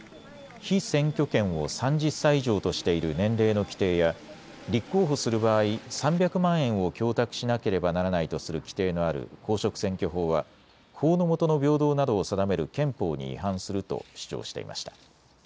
被選挙権を３０歳以上としている年齢の規定や立候補する場合、３００万円を供託しなければならないとする規定のある公職選挙法は法のもとの平等などを定める憲法に違反すると主張していました。